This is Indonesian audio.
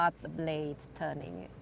untuk memulai latihan batu